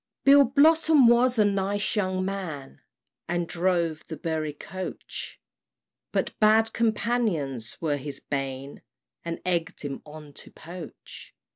Bill Blossom was a nice young man, And drove the Bury coach; But bad companions were his bane, And egg'd him on to poach.